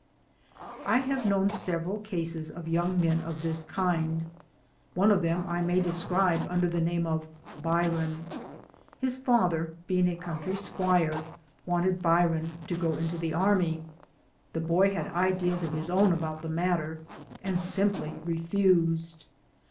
I have known several cases of young men of this kind. One of them I may describe under the name of * Bryan.' His father, being a country squire, wanted Bryan to go into the army. The boy had ideas of his own about the matter, and' simply refused.